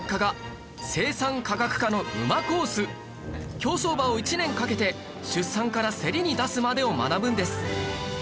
競走馬を一年かけて出産からセリに出すまでを学ぶんです